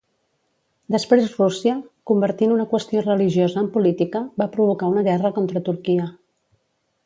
Després Rússia, convertint una qüestió religiosa en política, va provocar una guerra contra Turquia.